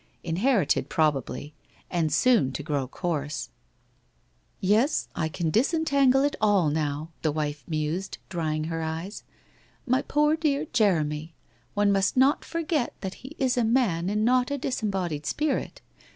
Inherited, probably, and soon to grow coarse! WHITE ROSE OF WEARY LEAF 169 1 Yes, I can disentangle it all now,' the wife mused, dry ing her eyes. ' My poor dear Jeremy ! One must not for get that he is a man and not a disembodied spirit.